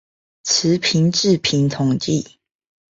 詞頻字頻統計